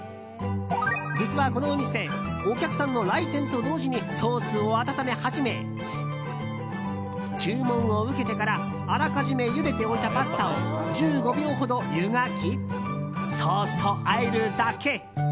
実はこのお店、お客さんの来店と同時にソースを温め始め注文を受けてから、あらかじめゆでておいたパスタを１５秒ほど湯がきソースとあえるだけ。